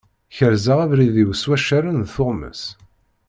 Kerzeɣ abrid-iw s waccaren d tuɣmas.